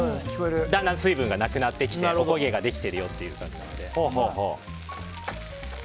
だんだん水分がなくなってきておこげができてるよってことなので。